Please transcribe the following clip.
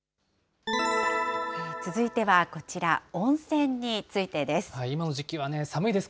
続いてはこちら、温泉についてです。